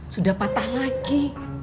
sudah patah lagi